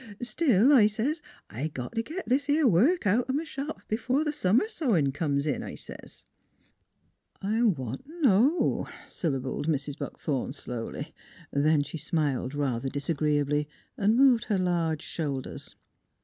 ' Still,' I says, ' I got t' git this 'ere work out m' shop before th' summer sewin' comes in,' I says." " I want t' know," syllabled Mrs. Buckthorn slowly. Then she smiled rather disagreeably, and moved her large shoulders.